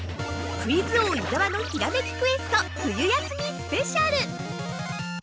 ◆クイズ王・伊沢のひらめきクエスト、冬休みスペシャル！